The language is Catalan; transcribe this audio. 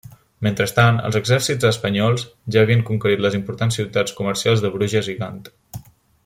Mentrestant, els exèrcits espanyols ja havien conquerit les importants ciutats comercials de Bruges i Gant.